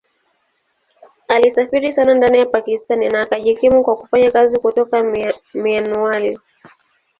Alisafiri sana ndani ya Pakistan na akajikimu kwa kufanya kazi kutoka Mianwali.